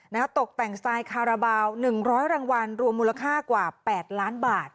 นะครับตกแต่งสไตล์คาราบาลหนึ่งร้อยรางวัลรวมูลค่ากว่าแปดล้านบาท